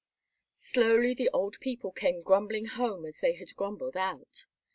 Slowly the old people came grumbling home as they had grumbled out.